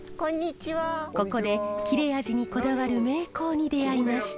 ここで切れ味にこだわる名工に出会いました。